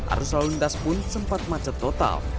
arus lalu lintas pun sempat macet total